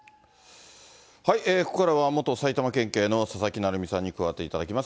ここからは元埼玉県警の佐々木成三さんに加わっていただきます。